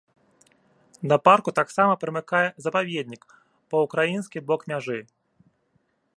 Да парку таксама прымыкае запаведнік па ўкраінскі бок мяжы.